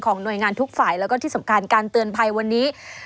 หน่วยงานทุกฝ่ายแล้วก็ที่สำคัญการเตือนภัยวันนี้